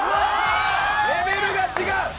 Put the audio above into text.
レベルが違う！